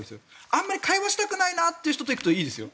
あまり会話したくないなという人と行くといいですよ。